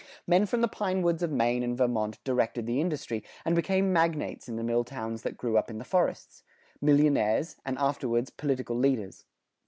Men from the pine woods of Maine and Vermont directed the industry, and became magnates in the mill towns that grew up in the forests, millionaires, and afterwards political leaders.